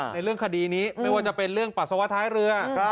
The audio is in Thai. ในเรื่องคดีนี้ไม่ว่าจะเป็นเรื่องปัสสาวะท้ายเรือ